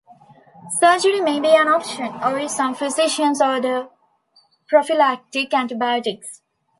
Surgery may be an option, or some physicians order prophylactic antibiotics.